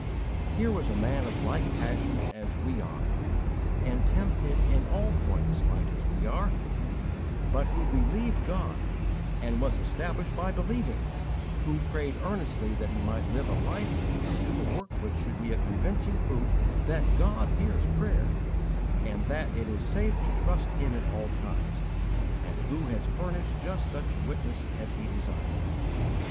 Here was a man of like passions as we are and tempted in all points like as we are, but who believed God and was established by believing; who prayed earnestly that he might live a life and do a work which should be a convincing proof that God hears prayer and that it is safe to trust Him at all times; and who has furnished just such a witness as he desired.